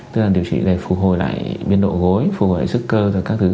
tức là điều trị để phục hồi lại biến độ gối phục hồi lại sức cơ các thứ